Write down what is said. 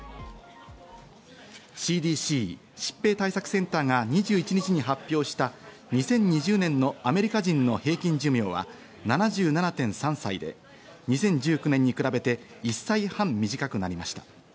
ＣＤＣ＝疾病対策センターが２１日に発表した２０２０年のアメリカ人の平均寿命は７７．３歳で、２０１９年に比べて１歳半短くなりました。